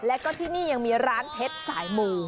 แล้วก็ที่นี่ยังมีร้านเพชรสายมู